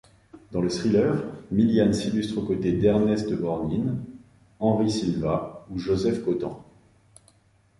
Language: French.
Dans le thriller, Milian s'illustre au côté d'Ernest Borgnine, Henry Silva ou Joseph Cotten.